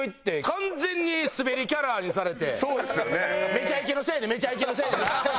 『めちゃイケ』のせいで『めちゃイケ』のせいで。